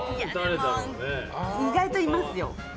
意外といますよ。